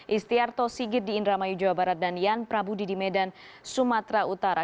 istiarto sigit di indramayu jawa barat dan yan prabudi di medan sumatera utara